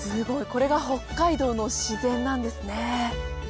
これが北海道の自然なんですね。